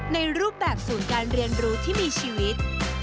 ในรูปแบบศูนย์การเรียนรู้ที่มีชีวิต